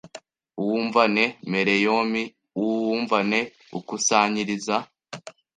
Uwumvane mereyomi: Uu wumvane ukusanyiriza